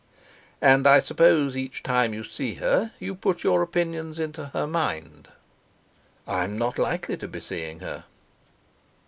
"And I suppose each time you see her you put your opinions into her mind." "I am not likely to be seeing her."